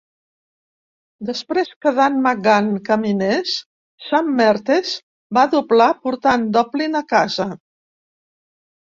Després que Dan McGann caminés, Sam Mertes va doblar, portant Donlin a casa.